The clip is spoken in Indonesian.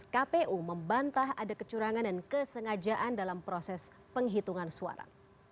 kpu membantah ada kecurangan dan kesengajaan dalam proses penghitungan suara